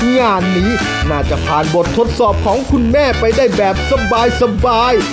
งานนี้น่าจะผ่านบททดสอบของคุณแม่ไปได้แบบสบาย